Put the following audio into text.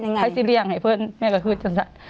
ลูกเขาให้สิหาเรียงให้เพื่อนแม่ก็คือจังไง